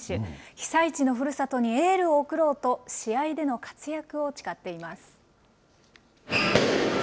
被災地のふるさとにエールを送ろうと、試合での活躍を誓っています。